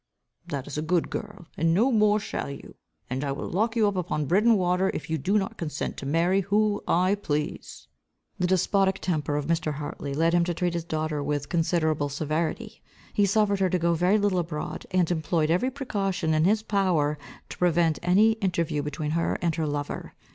"That is a good girl, no more you shall. And I will lock you up upon bread and water, if you do not consent to marry who I please." The despotic temper of Mr. Hartley led him to treat his daughter with considerable severity. He suffered her to go very little abroad, and employed every precaution in his power, to prevent any interview between her and her lover.